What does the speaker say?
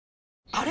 あれ？